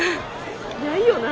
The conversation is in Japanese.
ないよな？